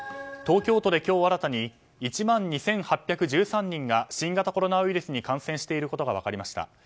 東京都で今日新たに１万２８１３人が新型コロナウイルスに感染していることが分かりました。